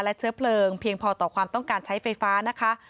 และเชื้อเพลิงเพียงพอต่อความต้องการใช้ไฟฟ้านะคะ